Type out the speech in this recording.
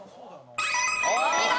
お見事！